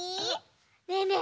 ねえねえ